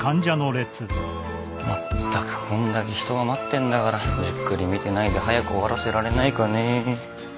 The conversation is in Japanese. まったくこんだけ人が待ってんだからじっくり診てないで早く終わらせられないかねえ。